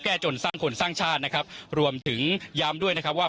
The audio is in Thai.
จนสร้างคนสร้างชาตินะครับรวมถึงย้ำด้วยนะครับว่า